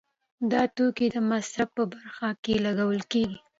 دا توکي د مصرف په برخه کې لګول کیږي.